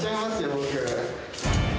僕。